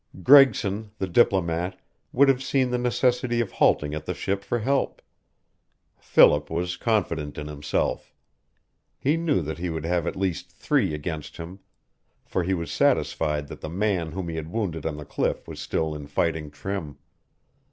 Gregson, the diplomat, would have seen the necessity of halting at the ship for help; Philip was confident in himself. He knew that he would have at least three against him, for he was satisfied that the man whom he had wounded on the cliff was still in fighting trim.